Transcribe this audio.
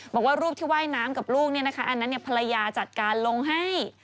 บอกว่ารูปที่ว่ายน้ำกับลูกอันนั้นภรรยาจัดการลงให้